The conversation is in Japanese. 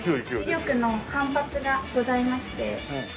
磁力の反発がございまして。